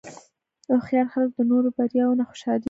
هوښیار خلک د نورو بریاوو نه خوشحالېږي.